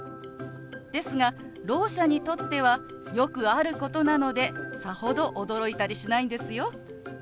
ですがろう者にとってはよくあることなのでさほど驚いたりしないんですよ。